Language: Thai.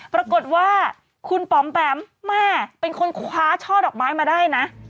ปรากฏว่าคุณป๋อมแบมแม่เป็นคนคว้าช่อดอกไม้มาได้นะ